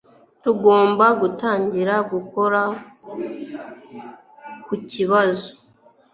Tugomba gutangira gukora kukibazo